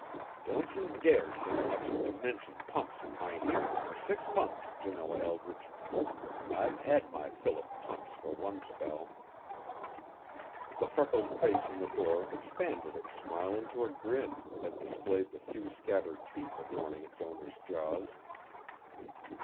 "Don't you dare so much as to mention pumps in my hearin' fur six months, Janoah Eldridge. I've had my fill of pumps fur one spell." The freckled face in the door expanded its smile into a grin that displayed the few scattered teeth adorning its owner's jaws.